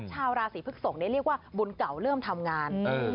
ชาวราศีพฤกษกเรียกว่าบุญเก่าเริ่มทำงาน